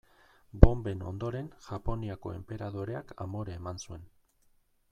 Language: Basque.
Bonben ondoren, Japoniako enperadoreak amore eman zuen.